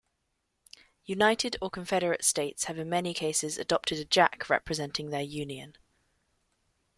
United or confederate states have in many cases adopted a jack representing their union.